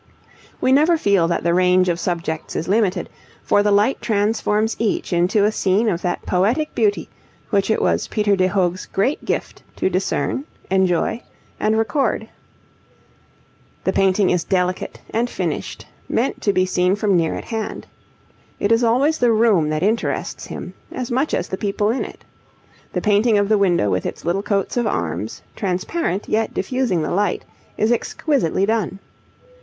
We never feel that the range of subjects is limited, for the light transforms each into a scene of that poetic beauty which it was Peter de Hoogh's great gift to discern, enjoy, and record. The painting is delicate and finished, meant to be seen from near at hand. It is always the room that interests him, as much as the people in it. The painting of the window with its little coats of arms, transparent yet diffusing the light, is exquisitely done.